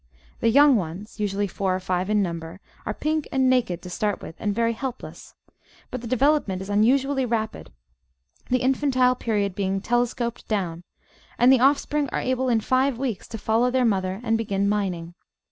The young ones, usually four or five in number, are pink and naked to start with, and very helples3t But the development i$ unusually rapid, the Natural History 463 infantile period being telescoped down, and the offspring are able in five weeks to follow their mother and begin mining.